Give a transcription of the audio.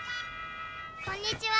「こんにちは」